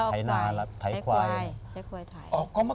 ทำบุตรตลอด